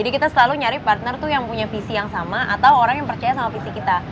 kita selalu nyari partner tuh yang punya visi yang sama atau orang yang percaya sama visi kita